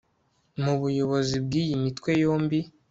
mu buyobozi bw'iyi mitwe yombi